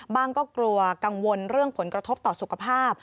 ก็กลัวกังวลเรื่องผลกระทบต่อสุขภาพ